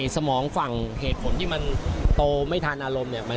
สมองฝั่งเหตุผลที่มันโตไม่ทันอารมณ์เนี่ย